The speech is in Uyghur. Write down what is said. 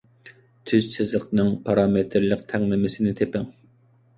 تۈز سىزىقنىڭ پارامېتىرلىق تەڭلىمىسىنى تېپىڭ.